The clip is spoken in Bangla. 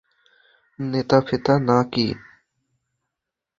নেতা-ফেতা না কি?